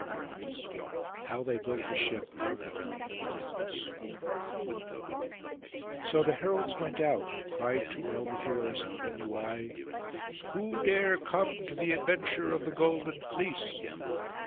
PART III HOW THEY BUILT THE SHIP 'ARGO' IN IOLCOS So the heralds went out, and cried to all the heroes of the Minuai, 'Who dare come to the adventure of the golden fleece?